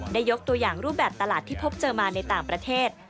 ยกตัวอย่างรูปแบบตลาดที่พบเจอมาในต่างประเทศ